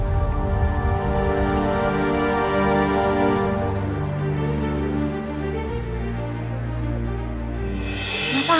aku harus menyuruhnya langsung istirahat